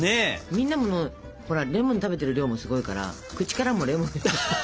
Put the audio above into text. みんなもほらレモン食べてる量もすごいから口からもレモンの香りが。